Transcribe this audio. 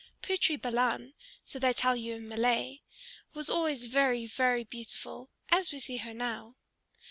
Putri Balan, so they tell you in Malay, was always very, very beautiful, as we see her now.